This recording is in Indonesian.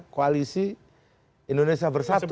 koalisi indonesia bersatu